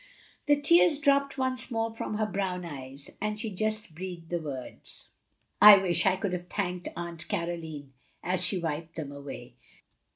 The tears dropped once more from her brown eyes, and she just breathed the words, "I wish 70 THE LONELY LADY I could have thanked Atint Caroline," as she wiped them away.